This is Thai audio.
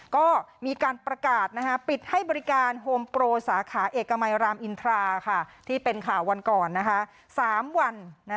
ก็มีการประกาศปิดให้บริการโฮมโปรสาขาเอกมัยรามอินทราที่เป็นข่าววันก่อน๓วัน